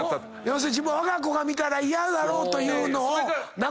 要するにわが子が見たら嫌だろうというのをなくすのか。